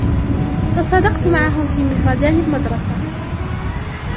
تصادقت معهم في مهرجان المدرسة.